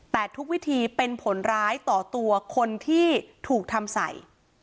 แต่ทุกวิธีเป็นผลร้ายต่อตัวคนที่ถูกทำใส่